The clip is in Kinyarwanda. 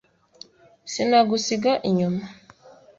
sinagusiga inyuma!